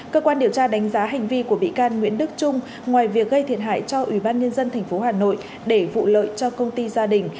cơ quan điều tra đánh giá hành vi của bị can nguyễn đức trung ngoài việc gây thiệt hại cho ubnd tp hà nội để vụ lợi cho công ty gia đình